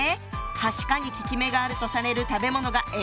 「はしか」に効き目があるとされる食べ物が描かれているわ。